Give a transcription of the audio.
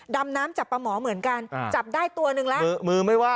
ดำน้ำจับปลาหมอเหมือนกันจับได้ตัวหนึ่งแล้ว